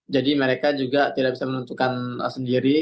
jadi mereka juga tidak bisa menentukan sendiri